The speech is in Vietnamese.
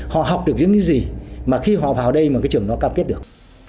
họ học được những cái gì mà khi họ vào đây mà cái trường nó cập kết được